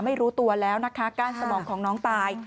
ไม่รู้ตัวแล้วนะคะก้านสมองของน้องตาย